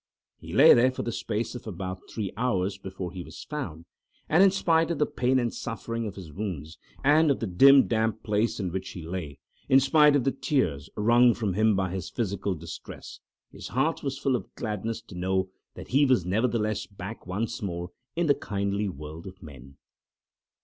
He lay there for the space of about three hours before he was found. And in spite of the pain and suffering of his wounds, and of the dim damp place in which he lay; in spite of the tears—wrung from him by his physical distress—his heart was full of gladness to know that he was nevertheless back once more in the kindly world of men.